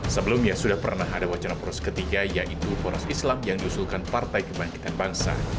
sebelumnya sudah pernah ada wacana poros ketiga yaitu poros islam yang diusulkan partai kebangkitan bangsa